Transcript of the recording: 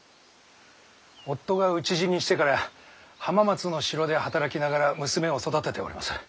夫が討ち死にしてから浜松の城で働きながら娘を育てております。